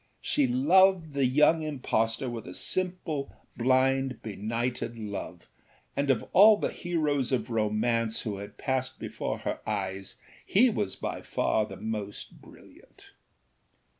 She loved the young impostor with a simple, blind, benighted love, and of all the heroes of romance who had passed before her eyes he was by far the most brilliant.